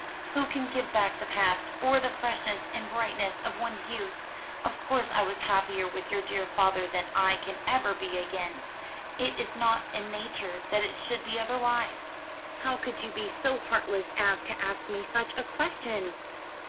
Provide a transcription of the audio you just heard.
"Who can give back the past, or the freshness and brightness of one's youth? Of course I was happier with your dear father than I can ever be again. It is not in nature that it should be otherwise. How could you be so heartless as to ask me such a question?"